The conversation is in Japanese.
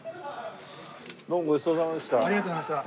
どうもごちそうさまでした。